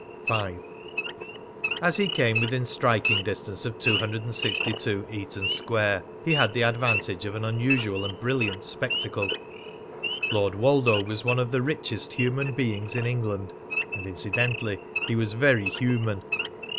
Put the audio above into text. V. As he came within striking distance of 262 Eaton Square he had the advantage of an unusual and brilliant spectacle. Lord Woldo was one of the richest human beings in England and incidentally he was very human.